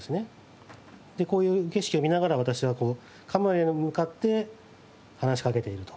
こういう景色を見ながら私はカメラに向かって話しかけていると。